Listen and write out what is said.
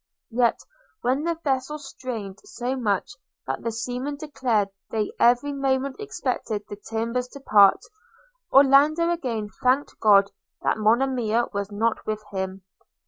Yet, when the vessel strained so much that the seamen declared they every moment expected the timbers to part, Orlando again thanked God that Monimia was not with him.